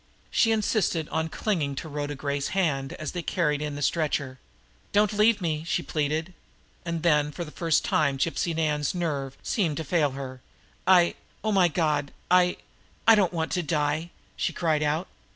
She insisted on clinging to Rhoda Gray's hand as they carried in the stretcher. "Don't leave me!" she pleaded. And then, for the first time, Gypsy Nan's nerve seemed to fail her. "I oh, my God I I don't want to die!" she cried out.